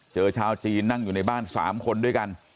ชาวจีนนั่งอยู่ในบ้าน๓คนด้วยกัน